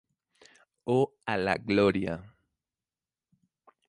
O a la gloria.